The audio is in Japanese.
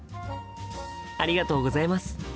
ありがとうございます。